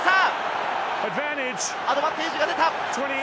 アドバンテージが出た！